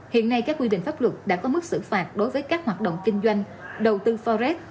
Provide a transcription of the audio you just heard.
hiện nay các quy định pháp luật đã có mức xử phạt đối với các hoạt động kinh doanh đầu tư forex